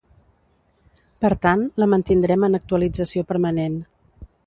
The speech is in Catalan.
Per tant, la mantindrem en actualització permanent.